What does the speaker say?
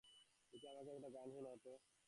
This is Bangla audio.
দেখি আমাকে একটা গান শুনাও তো।